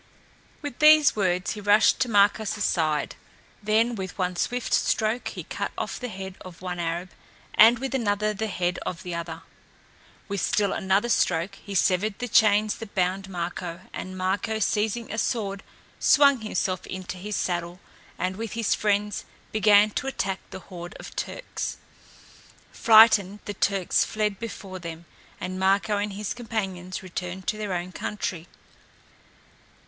With these words he rushed to Marko's side; then with one swift stroke he cut off the head of one Arab, and with another the head of the other. With still another stroke he severed the chains that bound Marko, and Marko, seizing a sword, swung himself into his saddle, and with his friends began to attack the horde of Turks. Frightened, the Turks fled before them, and Marko and his companions returned to their own country.